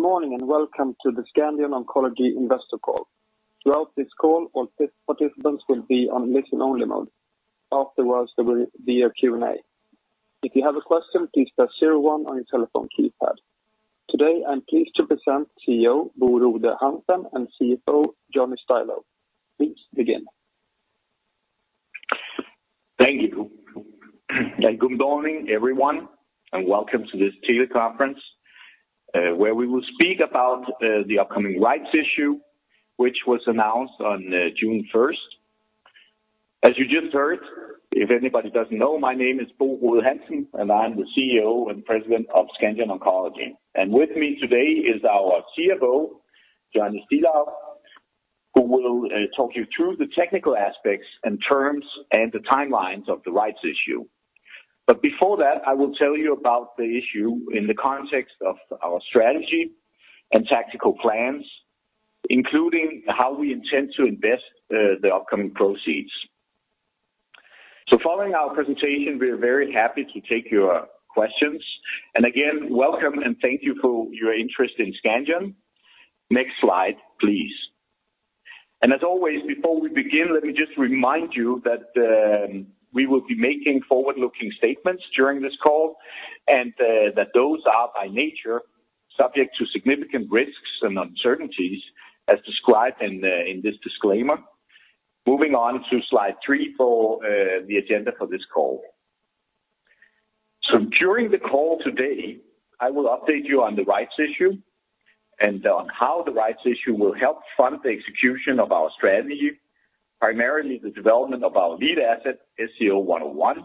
Good morning, and welcome to the Scandion Oncology Investor Call. Throughout this call, all participants will be on listen-only mode. Afterwards, there will be a Q&A. If you have a question, please press zero one on your telephone keypad. Today, I'm pleased to present CEO Bo Rode Hansen and CFO Johnny Stilou. Please begin. Thank you. Good morning, everyone, and welcome to this teleconference, where we will speak about the upcoming rights issue which was announced on June 1st. As you just heard, if anybody doesn't know, my name is Bo Rode Hansen, and I'm the CEO and President of Scandion Oncology. With me today is our CFO, Johnny Stilou, who will talk you through the technical aspects and terms and the timelines of the rights issue. Before that, I will tell you about the issue in the context of our strategy and tactical plans, including how we intend to invest the upcoming proceeds. Following our presentation, we are very happy to take your questions. Again, welcome, and thank you for your interest in Scandion. Next slide, please. As always, before we begin, let me just remind you that we will be making forward-looking statements during this call and that those are by nature subject to significant risks and uncertainties as described in this disclaimer. Moving on to slide 3 for the agenda for this call. During the call today, I will update you on the rights issue and on how the rights issue will help fund the execution of our strategy, primarily the development of our lead asset, SCO-101,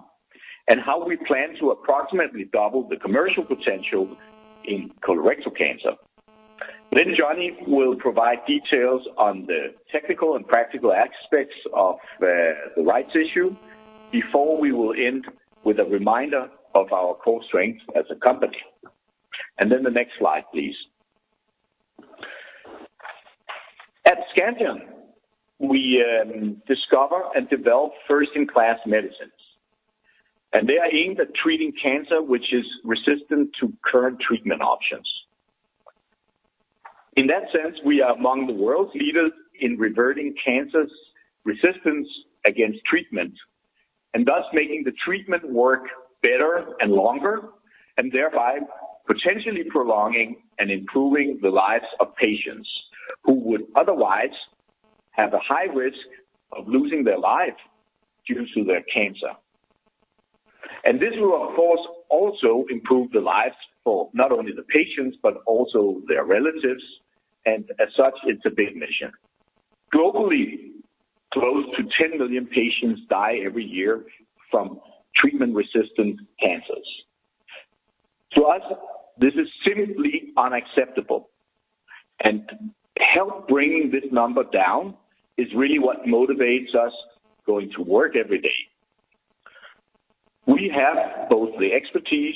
and how we plan to approximately double the commercial potential in colorectal cancer. Johnny will provide details on the technical and practical aspects of the rights issue before we will end with a reminder of our core strengths as a company. The next slide, please. At Scandion, we discover and develop first-in-class medicines, and they are aimed at treating cancer which is resistant to current treatment options. In that sense, we are among the world's leaders in reverting cancer's resistance against treatment and thus making the treatment work better and longer, and thereby potentially prolonging and improving the lives of patients who would otherwise have a high risk of losing their life due to their cancer. This will, of course, also improve the lives for not only the patients but also their relatives, and as such, it's a big mission. Globally, close to 10 million patients die every year from treatment-resistant cancers. To us, this is simply unacceptable, and help bringing this number down is really what motivates us going to work every day. We have both the expertise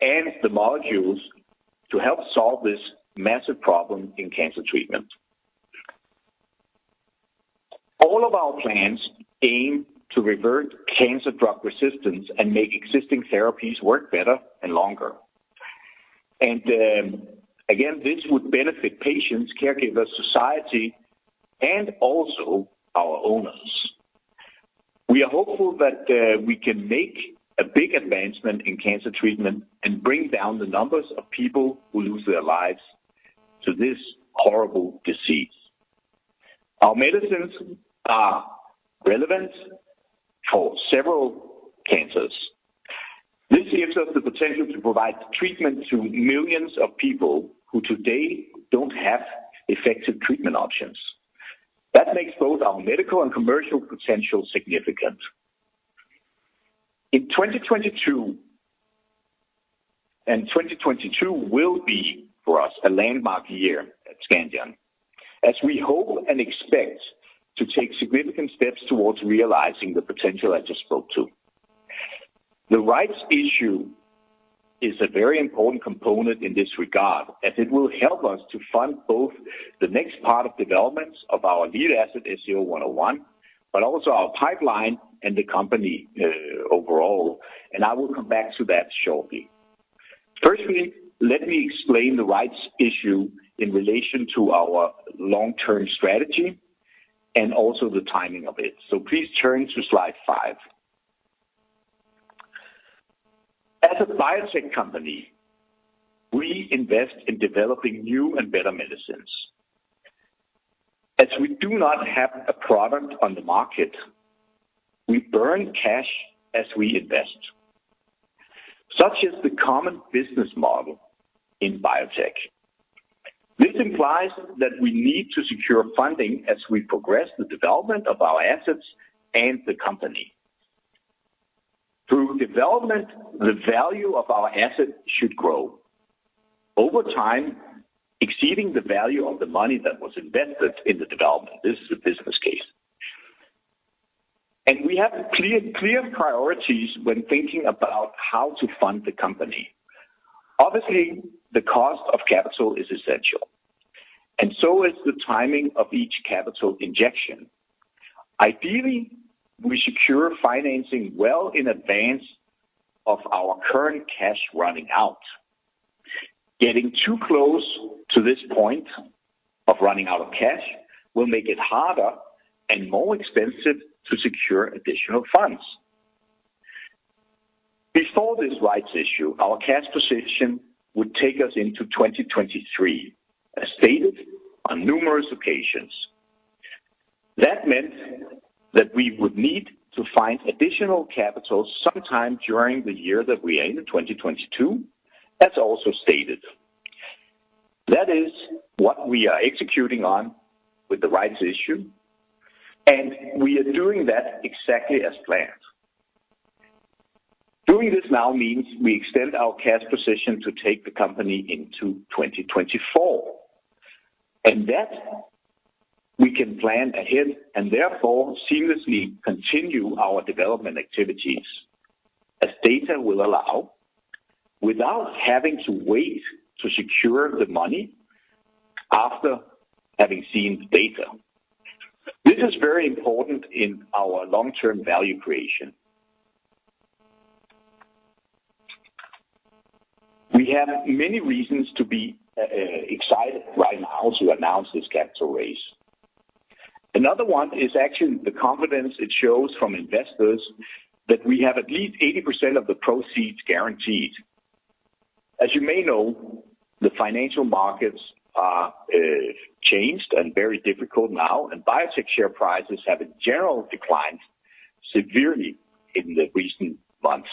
and the molecules to help solve this massive problem in cancer treatment. All of our plans aim to revert cancer drug resistance and make existing therapies work better and longer. Again, this would benefit patients, caregivers, society, and also our owners. We are hopeful that we can make a big advancement in cancer treatment and bring down the numbers of people who lose their lives to this horrible disease. Our medicines are relevant for several cancers. This gives us the potential to provide treatment to millions of people who today don't have effective treatment options. That makes both our medical and commercial potential significant. In 2022 will be for us a landmark year at Scandion as we hope and expect to take significant steps towards realizing the potential I just spoke to. The rights issue is a very important component in this regard, as it will help us to fund both the next part of developments of our lead asset, SCO-101, but also our pipeline and the company, overall. I will come back to that shortly. Firstly, let me explain the rights issue in relation to our long-term strategy and also the timing of it. Please turn to Slide five. As a biotech company, we invest in developing new and better medicines. As we do not have a product on the market, we burn cash as we invest, such as the common business model in biotech. This implies that we need to secure funding as we progress the development of our assets and the company. Through development, the value of our asset should grow over time, exceeding the value of the money that was invested in the development. This is a business case. We have clear priorities when thinking about how to fund the company. Obviously, the cost of capital is essential, and so is the timing of each capital injection. Ideally, we secure financing well in advance of our current cash running out. Getting too close to this point of running out of cash will make it harder and more expensive to secure additional funds. Before this rights issue, our cash position would take us into 2023, as stated on numerous occasions. That meant that we would need to find additional capital sometime during the year that we end in 2022, as also stated. That is what we are executing on with the rights issue, and we are doing that exactly as planned. Doing this now means we extend our cash position to take the company into 2024. That we can plan ahead and therefore seamlessly continue our development activities as data will allow, without having to wait to secure the money after having seen the data. This is very important in our long-term value creation. We have many reasons to be excited right now to announce this capital raise. Another one is actually the confidence it shows from investors that we have at least 80% of the proceeds guaranteed. As you may know, the financial markets are changed and very difficult now, and biotech share prices have in general declined severely in the recent months.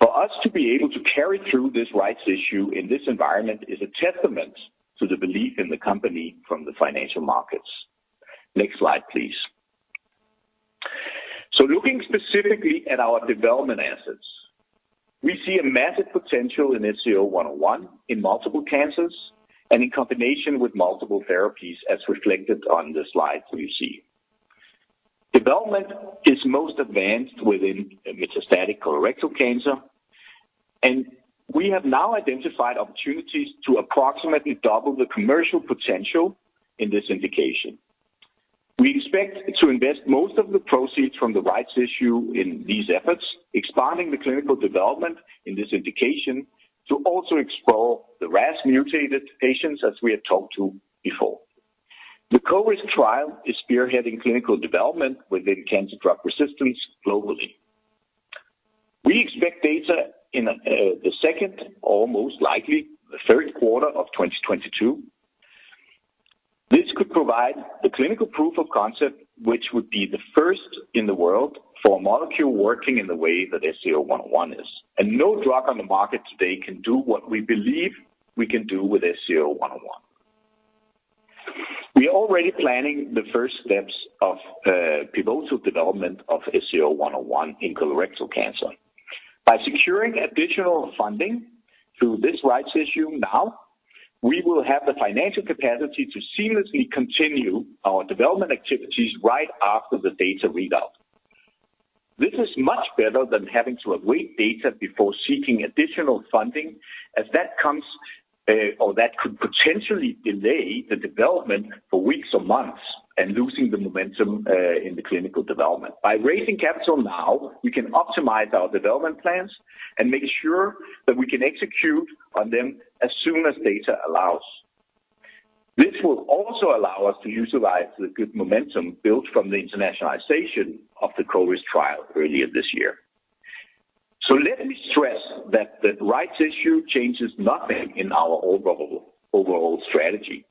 For us to be able to carry through this rights issue in this environment is a testament to the belief in the company from the financial markets. Next slide, please. Looking specifically at our development assets, we see a massive potential in SCO-101 in multiple cancers and in combination with multiple therapies as reflected on the slides you see. Development is most advanced within metastatic colorectal cancer, and we have now identified opportunities to approximately double the commercial potential in this indication. We expect to invest most of the proceeds from the rights issue in these efforts, expanding the clinical development in this indication to also explore the RAS-mutated patients as we had talked to before. The CORIST trial is spearheading clinical development within cancer drug resistance globally. We expect data in the second or most likely the third quarter of 2022. This could provide the clinical proof of concept which would be the first in the world for a molecule working in the way that SCO-101 is, and no drug on the market today can do what we believe we can do with SCO-101. We are already planning the first steps of pivotal development of SCO-101 in colorectal cancer. By securing additional funding through this rights issue now, we will have the financial capacity to seamlessly continue our development activities right after the data readout. This is much better than having to await data before seeking additional funding as that comes, or that could potentially delay the development for weeks or months and losing the momentum in the clinical development. By raising capital now, we can optimize our development plans and make sure that we can execute on them as soon as data allows. This will also allow us to utilize the good momentum built from the internationalization of the CORIST trial earlier this year. Let me stress that the rights issue changes nothing in our overall strategy.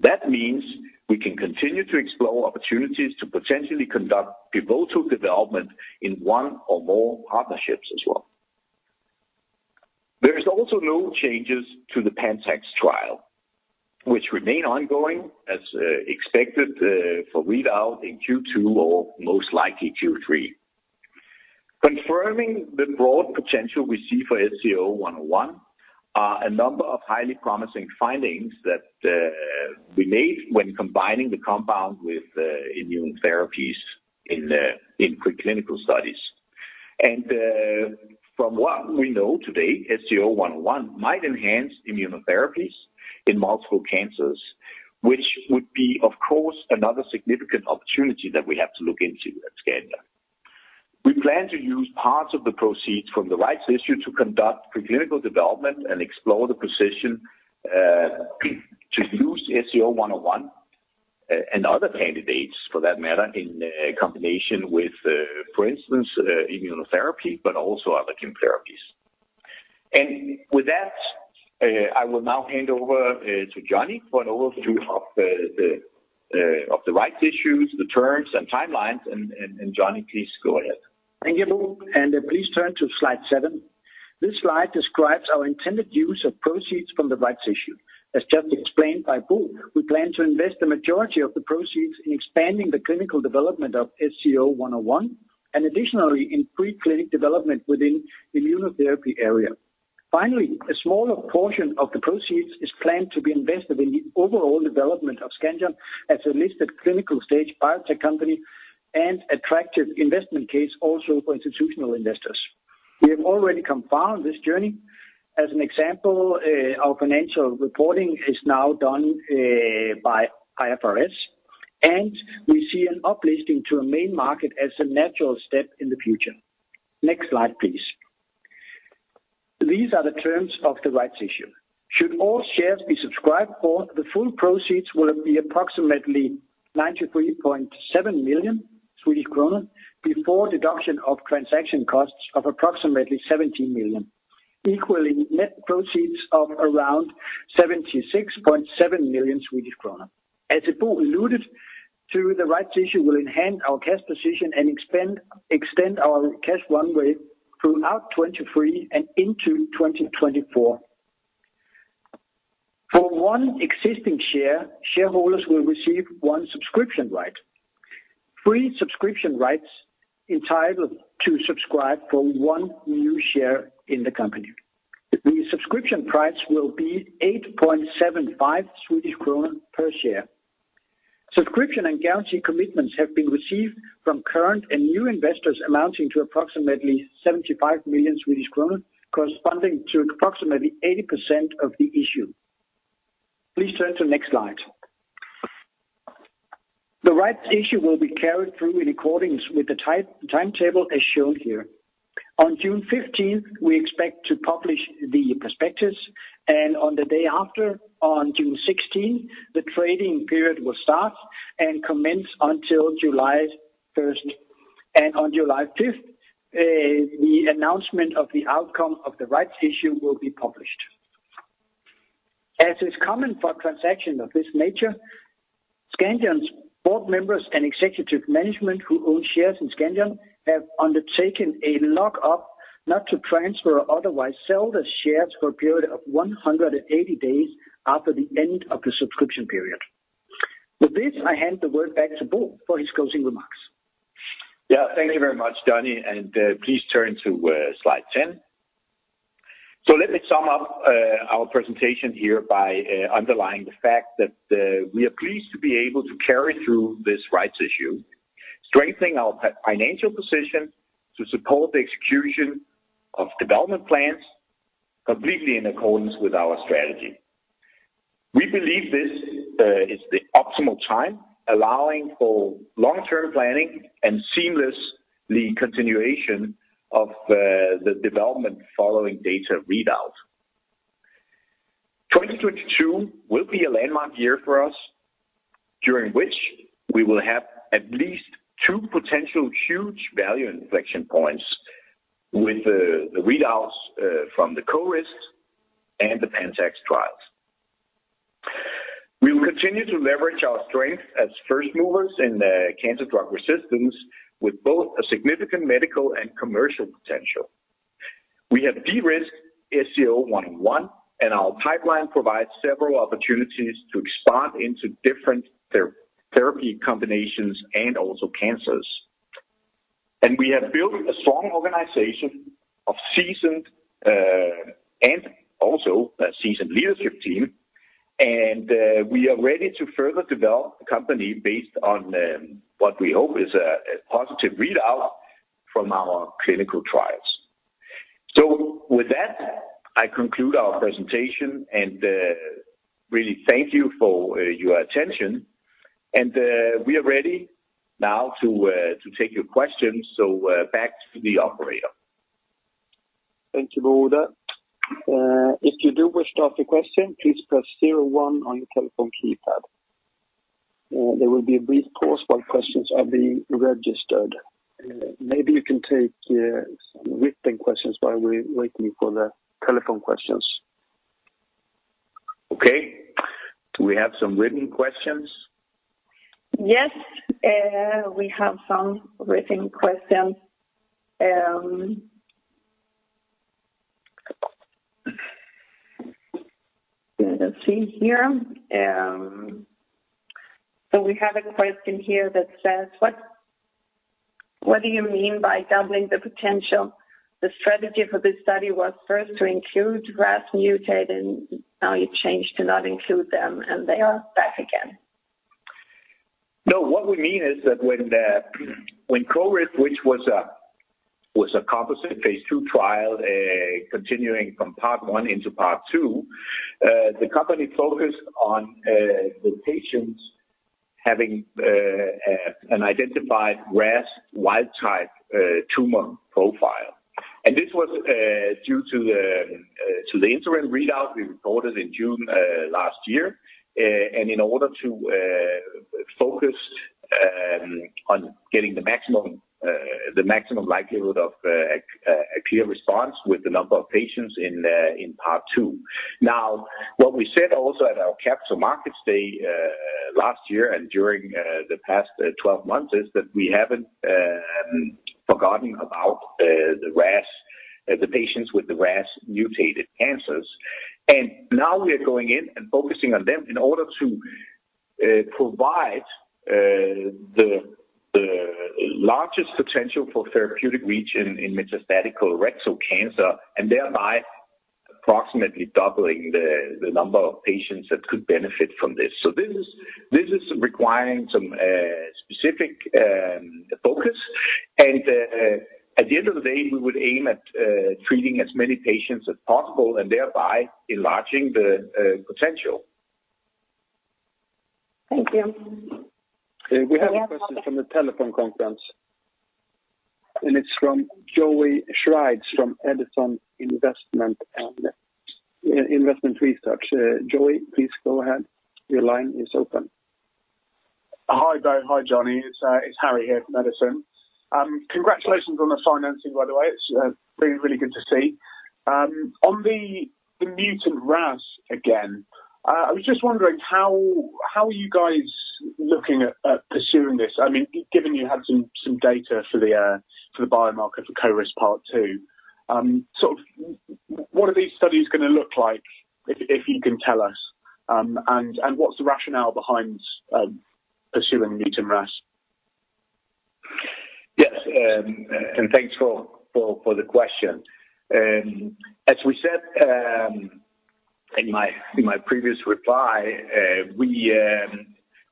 That means we can continue to explore opportunities to potentially conduct pivotal development in one or more partnerships as well. There is also no changes to the PANTAX trial, which remain ongoing as expected, for readout in Q2 or most likely Q3. Confirming the broad potential we see for SCO-101 are a number of highly promising findings that we made when combining the compound with immune therapies in preclinical studies. From what we know today, SCO-101 might enhance immunotherapies in multiple cancers, which would be, of course, another significant opportunity that we have to look into at Scandion. We plan to use parts of the proceeds from the rights issue to conduct preclinical development and explore the position to use SCO-101 and other candidates for that matter in combination with, for instance, immunotherapy, but also other chemotherapies. With that, I will now hand over to Johnny for an overview of the rights issues, the terms and timelines. Johnny, please go ahead. Thank you, Bo, and please turn to slide 7. This slide describes our intended use of proceeds from the rights issue. As just explained by Bo, we plan to invest the majority of the proceeds in expanding the clinical development of SCO-101 and additionally in preclinical development within immunotherapy area. Finally, a smaller portion of the proceeds is planned to be invested in the overall development of Scandion as a listed clinical-stage biotech company and attractive investment case also for institutional investors. We have already commenced this journey. As an example, our financial reporting is now done by IFRS, and we see an uplisting to a main market as a natural step in the future. Next slide, please. These are the terms of the rights issue. Should all shares be subscribed for, the full proceeds will be approximately 93.7 million Swedish kronor before deduction of transaction costs of approximately 17 million, equaling net proceeds of around 76.7 million Swedish kronor. As Bo alluded to, the rights issue will enhance our cash position and extend our cash runway throughout 2023 and into 2024. For one existing share, shareholders will receive one subscription right. Three subscription rights entitled to subscribe for one new share in the company. The subscription price will be 8.75 Swedish kronor per share. Subscription and guarantee commitments have been received from current and new investors amounting to approximately 75 million Swedish kronor corresponding to approximately 80% of the issue. Please turn to next slide. The rights issue will be carried through in accordance with the timetable as shown here. On June 15, we expect to publish the prospectus, and on the day after, on June 16, the trading period will start and commence until July 1. On July 5, the announcement of the outcome of the rights issue will be published. As is common for transactions of this nature, Scandion's board members and executive management who own shares in Scandion have undertaken a lock-up not to transfer or otherwise sell the shares for a period of 180 days after the end of the subscription period. With this, I hand the word back to Bo for his closing remarks. Yeah. Thank you very much, Johnny, and please turn to slide 10. Let me sum up our presentation here by underlying the fact that we are pleased to be able to carry through this rights issue, strengthening our financial position to support the execution of development plans completely in accordance with our strategy. We believe this is the optimal time allowing for long-term planning and seamlessly continuation of the development following data readout. 2022 will be a landmark year for us during which we will have at least two potential huge value inflection points with the readouts from the CORIST and the PANTAX trials. We will continue to leverage our strength as first movers in the cancer drug resistance with both a significant medical and commercial potential. We have de-risked SCO-101, and our pipeline provides several opportunities to expand into different therapy combinations and also cancers. We have built a strong organization of seasoned, and also a seasoned leadership team, and we are ready to further develop the company based on what we hope is a positive readout from our clinical trials. With that, I conclude our presentation, and really thank you for your attention. We are ready now to take your questions. Back to the operator. Thank you, Bo. If you do wish to ask a question, please press zero one on your telephone keypad. There will be a brief pause while questions are being registered. Maybe you can take some written questions while we're waiting for the telephone questions. Okay. Do we have some written questions? Yes, we have some written questions. Let's see here. We have a question here that says, what do you mean by doubling the potential? The strategy for this study was first to include RAS mutated, and now you change to not include them, and they are back again. No. What we mean is that when the CORIST, which was a composite phase II trial, continuing from part one into part two, the company focused on the patients having an identified RAS wild type tumor profile. This was due to the interim readout we reported in June last year, and in order to focus on getting the maximum likelihood of a clear response with the number of patients in part two. Now what we said also at our capital markets day last year and during the past 12 months is that we haven't forgotten about the patients with the RAS mutated cancers. Now we are going in and focusing on them in order to provide the largest potential for therapeutic reach in metastatic colorectal cancer and thereby approximately doubling the number of patients that could benefit from this. This is requiring some specific focus. At the end of the day, we would aim at treating as many patients as possible and thereby enlarging the potential. Thank you. We have a question from the telephone conference, and it's from Joey Schreids from Edison Investment Research. Joey, please go ahead. Your line is open. Hi, Bo. Hi, Johnny. It's Harry here from Edison. Congratulations on the financing, by the way. It's been really good to see. On the mutant RAS again, I was just wondering how are you guys looking at pursuing this? I mean, given you had some data for the biomarker for CORIST part two, sort of what are these studies gonna look like, if you can tell us? And what's the rationale behind pursuing mutant RAS? Yes, and thanks for the question. As we said, in my previous reply,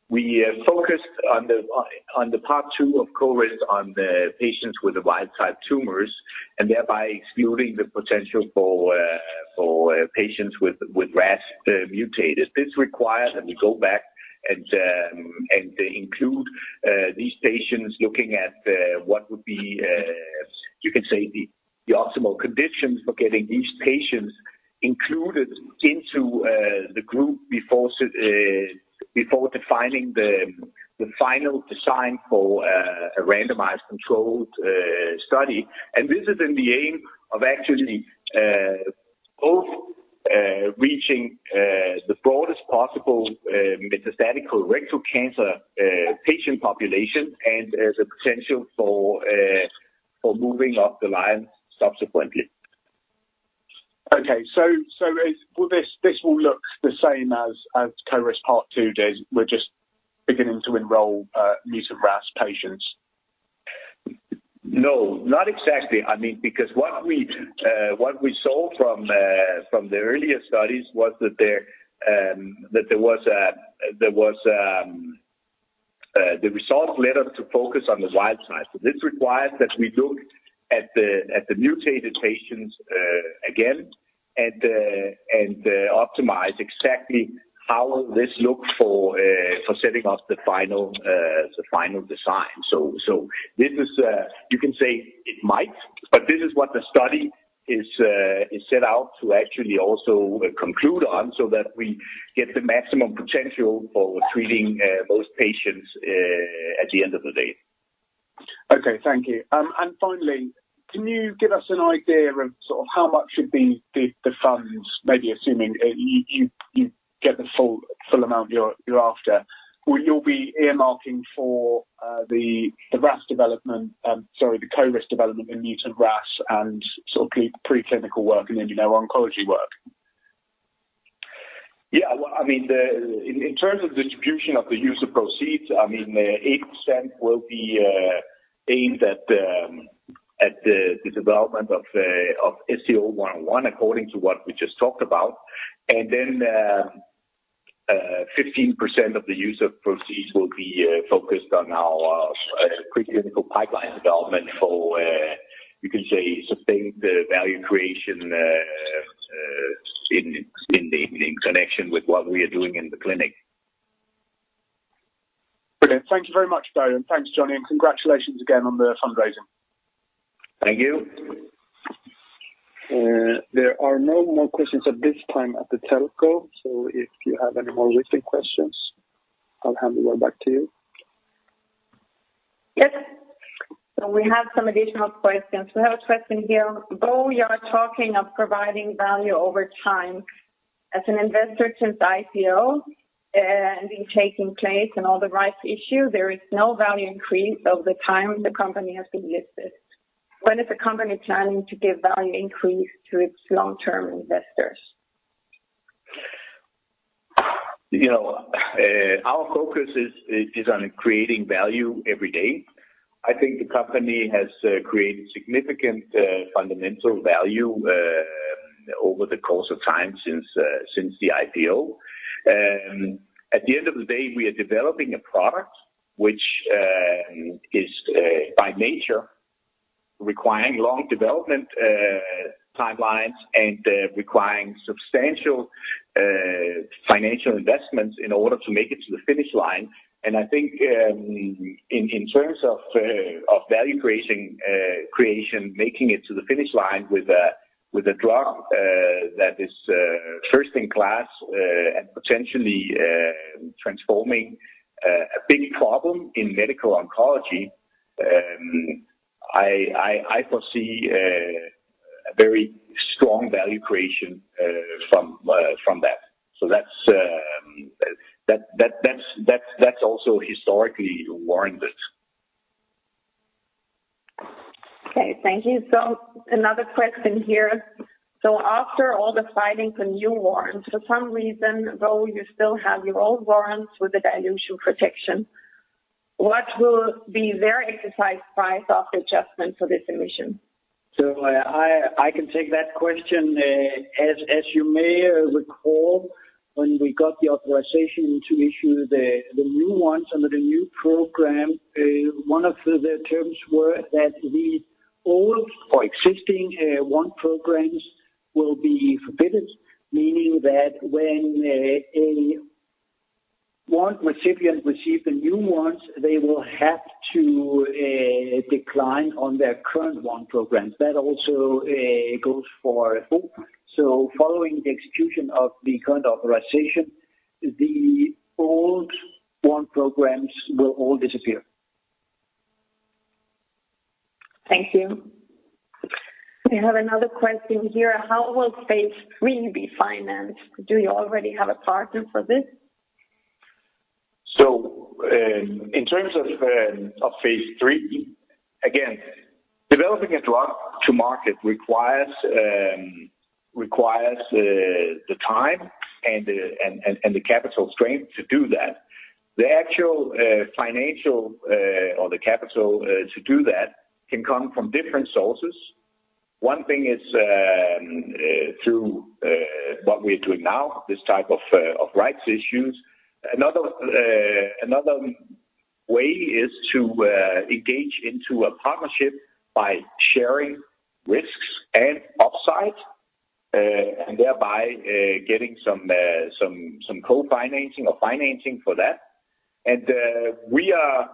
we focused on the part two of CORIST on the patients with the wild-type tumors and thereby excluding the potential for patients with RAS mutated. This required that we go back and include these patients looking at what would be, you can say, the optimal conditions for getting these patients included into the group before defining the final design for a randomized controlled study. This is in the aim of actually both reaching the broadest possible metastatic colorectal cancer patient population and as a potential for moving up the line subsequently. This will look the same as CORIST part two. We're just beginning to enroll mutant RAS patients. No, not exactly. I mean, because what we saw from the earlier studies was that the results led us to focus on the wild type. This requires that we look at the mutated patients again, and optimize exactly how this looks for setting up the final design. This is, you can say it might, but this is what the study is set out to actually also conclude on so that we get the maximum potential for treating most patients at the end of the day. Okay. Thank you. Finally, can you give us an idea of sort of how much of the funds, maybe assuming you get the full amount you're after, will you be earmarking for the RAS development, sorry, the CORIST development in mutant RAS and sort of preclinical work and immuno-oncology work? Yeah. Well, I mean, in terms of distribution of the use of proceeds, I mean, 80% will be aimed at the development of SCO-101 according to what we just talked about. Fifteen percent of the use of proceeds will be focused on our preclinical pipeline development for you can say sustained value creation in connection with what we are doing in the clinic. Brilliant. Thank you very much, Bo, and thanks, Johnny, and congratulations again on the fundraising. Thank you. There are no more questions at this time at the telco, so if you have any more written questions, I'll hand it right back to you. Yes. We have some additional questions. We have a question here. Bo, you are talking of providing value over time. As an investor since IPO, and been taking place and all the rights issue, there is no value increase over the time the company has been listed. When is the company planning to give value increase to its long-term investors? You know, our focus is on creating value every day. I think the company has created significant fundamental value over the course of time since the IPO. At the end of the day, we are developing a product which is by nature requiring long development timelines and requiring substantial financial investments in order to make it to the finish line. I think in terms of value creation, making it to the finish line with a drug that is first in class and potentially transforming a big problem in medical oncology, I foresee a very strong value creation from that. That's also historically warranted. Okay. Thank you. Another question here. After all the filings and new warrants, for some reason, though, you still have your old warrants with the dilution protection. What will be their exercise price of the adjustment for this emission? I can take that question. As you may recall, when we got the authorization to issue the new ones under the new program, one of the terms were that the old or existing warrant programs will be forbidden. Meaning that when a warrant recipient receives the new warrants, they will have to decline on their current warrant programs. That also goes for Bo Rode Hansen. Following the execution of the current authorization, the old warrant programs will all disappear. Thank you. I have another question here. How will phase III be financed? Do you already have a partner for this? In terms of phase III, again, developing a drug to market requires the time and the capital strength to do that. The actual financial or the capital to do that can come from different sources. One thing is through what we are doing now, this type of rights issues. Another way is to engage into a partnership by sharing risks and upside and thereby getting some co-financing or financing for that. We are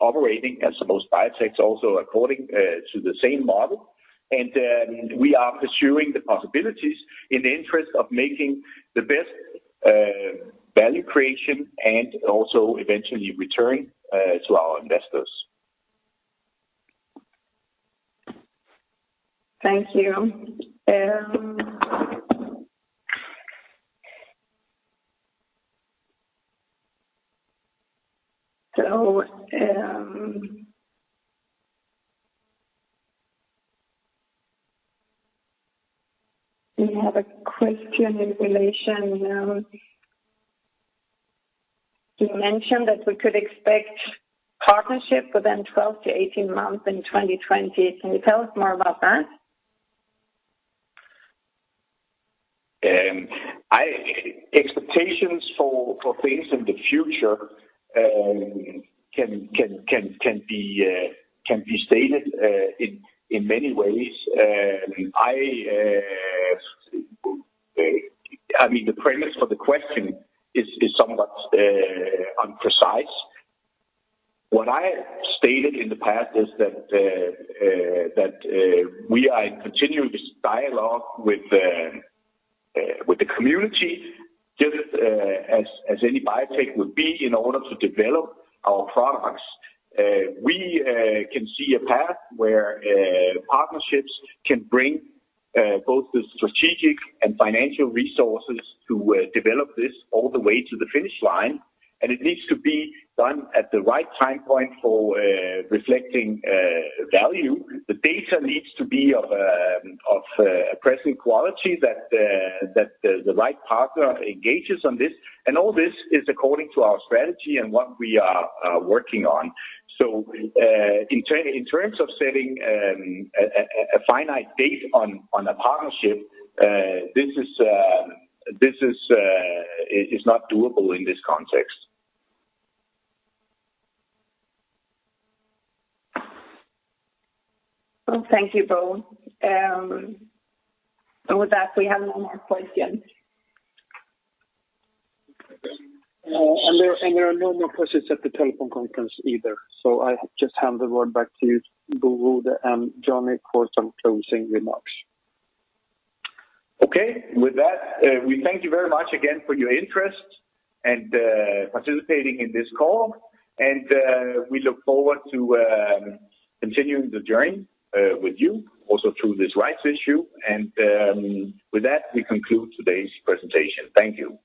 operating as most biotechs also according to the same model. We are pursuing the possibilities in the interest of making the best value creation and also eventually return to our investors. Thank you. We have a question in relation. You mentioned that we could expect partnership within 12-18 months in 2020. Can you tell us more about that? Expectations for things in the future can be stated in many ways. I mean, the premise for the question is somewhat imprecise. What I stated in the past is that we are in continuous dialogue with the community just as any biotech would be in order to develop our products. We can see a path where partnerships can bring both the strategic and financial resources to develop this all the way to the finish line, and it needs to be done at the right time point for reflecting value. The data needs to be of impressive quality that the right partner engages on this. All this is according to our strategy and what we are working on. In terms of setting a finite date on a partnership, this is not doable in this context. Well, thank you both. With that, we have no more questions. There are no more questions at the telephone conference either. I just hand the word back to you, Bo Rode and Johnny, for some closing remarks. Okay. With that, we thank you very much again for your interest and participating in this call. We look forward to continuing the journey with you also through this rights issue. With that, we conclude today's presentation. Thank you.